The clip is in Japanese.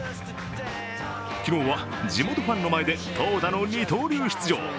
昨日は地元ファンの前で投打の二刀流出場。